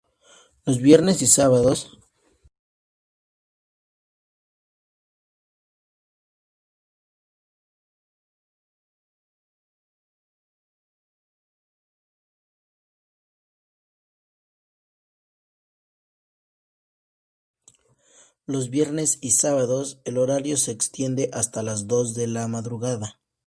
Los viernes y sábados el horario se extiende hasta las dos de la madrugada.